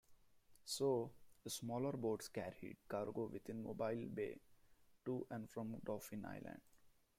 So, smaller boats carried cargo within Mobile Bay to and from Dauphin Island.